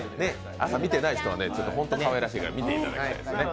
朝、見てない人はホントにかわいらしいから見ていただきたいですね。